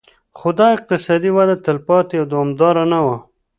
خو دا اقتصادي وده تلپاتې او دوامداره نه وه